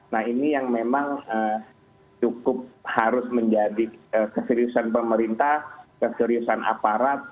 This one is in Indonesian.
nah ini yang memang cukup harus menjadi keseriusan pemerintah keseriusan aparat